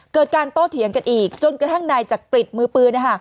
เกิดการโตเถียงกันอีกจนกระทั่งนายจักริตมือปืน